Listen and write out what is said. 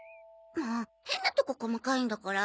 もう変なとこ細かいんだから。